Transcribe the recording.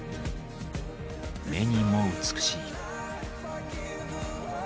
目にも美しい。